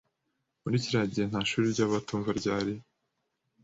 Muri kiriya gihe nta shuri ry’abatumva ryari.